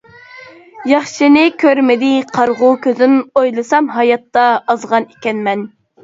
ياخشىنى كۆرمىدى قارىغۇ كۆزۈم، ئويلىسام ھاياتتا ئازغان ئىكەنمەن.